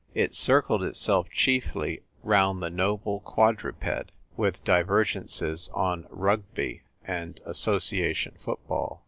It circled chiefly round the noble quadruped, with divergences on Rugby and Association football.